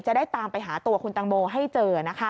จะได้ตามไปหาตัวคุณตังโมให้เจอนะคะ